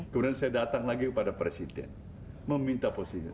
kemudian saya datang lagi pada presiden meminta posisi